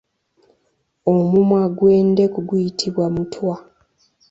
Omumwa gw’endeku guyitibwa mutwa.